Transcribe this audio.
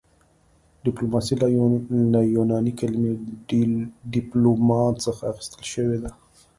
ډیپلوماسي له یوناني کلمې ډیپلوما څخه اخیستل شوې ده